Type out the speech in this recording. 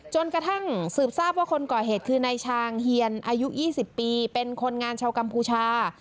จนกระทั่งสืบทราบว่าคนก่อเหตุคือนายชางเฮียนอายุ๒๐ปีเป็นคนงานชาวกัมพูชา